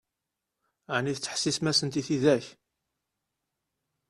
Ɛni tettḥessisem-asent i tidak?